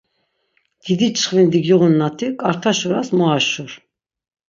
Didi çxvindi giğun na ti, ǩarta şuras mo aşur!